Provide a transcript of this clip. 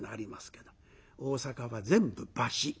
大阪は全部橋。